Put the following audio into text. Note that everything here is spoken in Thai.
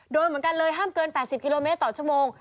โดนเหมือนกันเลยห้ามเกิน๘๐กิโลเมตรต่อชั่วโมง